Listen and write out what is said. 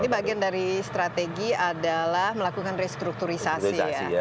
bagian dari strategi adalah melakukan restrukturisasi